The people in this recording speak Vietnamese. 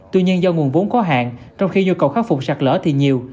tuy nhiên do nguồn vốn có hạn trong khi nhu cầu khắc phục sạt lở thì nhiều